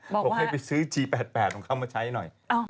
บอกให้ไปซื้อจี๘๘ของเขามาใช้หน่อย